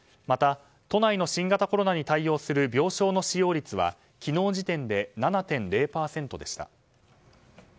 また都内の新型コロナに対応する病床の使用率は昨日時点で７．０％でした。